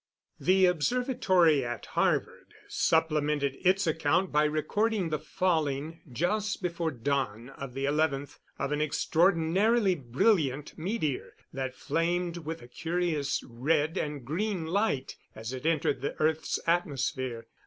The observatory at Harvard supplemented its account by recording the falling, just before dawn of the 11th, of an extraordinarily brilliant meteor that flamed with a curious red and green light as it entered the earth's atmosphere.